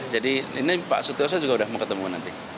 jadi ini pak suthiose juga sudah mau ketemu nanti